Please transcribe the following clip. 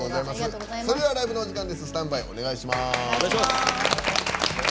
それではライブのお時間です。